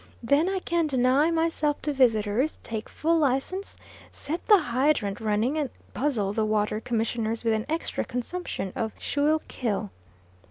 Then I can deny myself to visitors take full license set the hydrant running, and puzzle the water commissioners with an extra consumption of Schuylkill.